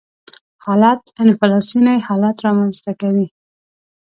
حالت انفلاسیوني حالت رامنځته کوي.